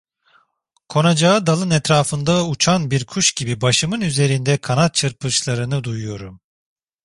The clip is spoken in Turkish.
Konacağı dalın etrafında uçan bir kuş gibi başımın üzerinde kanat çırpışlarını duyuyorum.